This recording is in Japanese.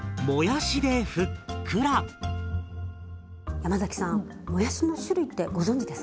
山さんもやしの種類ってご存じですか？